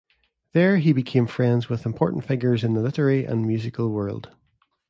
There he became friends with important figures in the literary and musical world.